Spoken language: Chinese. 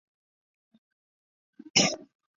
深圳地铁集团将为龙华有轨电车提供运营服务。